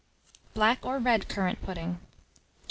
BLACK or RED CURRANT PUDDING. 1266.